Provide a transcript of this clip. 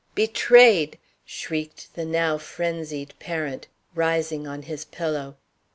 "Betrayed!" shrieked the now frenzied parent, rising on his pillow.